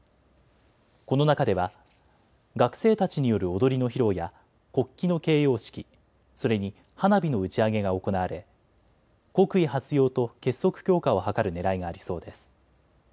この中では学生たちによる踊りの披露や国旗の掲揚式、それに花火の打ち上げが行われ国威発揚と結束強化を図るねらいがありそうです。